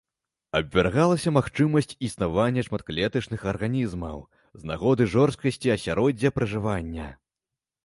Абвяргалася магчымасць існавання шматклетачных арганізмаў з нагоды жорсткасці асяроддзя пражывання.